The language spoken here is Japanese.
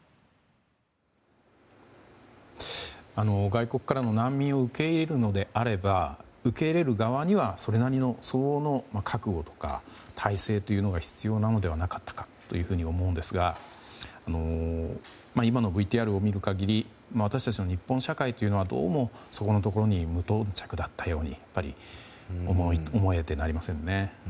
外国からの難民を受け入れるのであれば受け入れる側にはそれなりの相応の覚悟が体制というのが必要なのではなかったかと思うんですが今のＶＴＲを見る限り私たちの日本社会というのはどうもそこのところに無頓着だったようにやっぱり思えてなりませんね。